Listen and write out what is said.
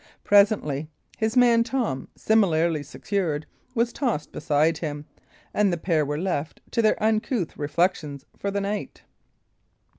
Presently, his man Tom, similarly secured, was tossed beside him, and the pair were left to their uncouth reflections for the night.